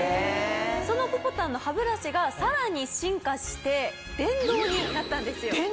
そのＰＯＰＯＴＡＮの歯ブラシがさらに進化して電動になったんですよ。